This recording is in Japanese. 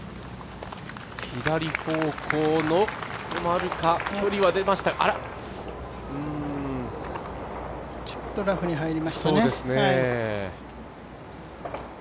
左方向、距離は出ましたがちょっとラフに入りましたね